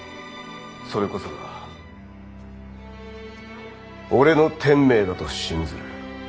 それこそが俺の天命だと信ずる。